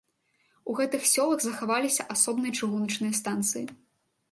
У гэтых сёлах захаваліся асобныя чыгуначныя станцыі.